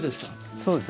そうですね